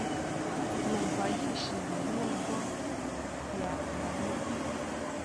Yumva yishimye nubwo yananiwe.